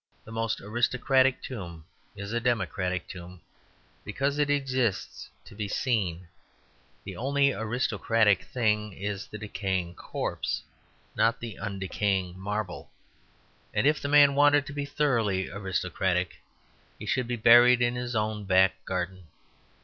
The most aristocratic tomb is a democratic tomb, because it exists to be seen; the only aristocratic thing is the decaying corpse, not the undecaying marble; and if the man wanted to be thoroughly aristocratic, he should be buried in his own back garden.